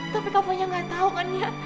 tapi papanya gak tau kan ya